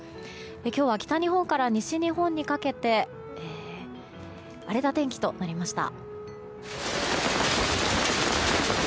今日は北日本から西日本にかけて荒れた天気となりました。